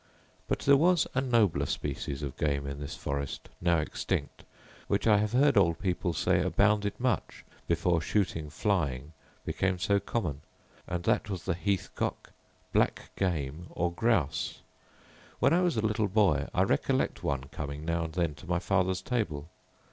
But there was a nobler species of game in this forest, now extinct, which I have heard old people say abounded much before shooting flying became so common, and that was the heath cock, black game, or grouse. When I was a little boy I recollect one coming now and then to my father's table.